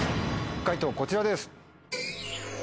解答こちらです。